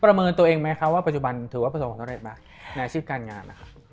ประเมินตัวเองไหมคะว่าปัจจุบันถือว่าประสงค์ของเจ้าเล้บในอาชีพการงาน